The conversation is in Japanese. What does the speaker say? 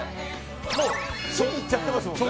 もう次いっちゃってますもんね